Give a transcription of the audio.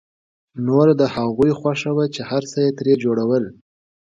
نوره د هغوی خوښه وه چې هر څه يې ترې جوړول.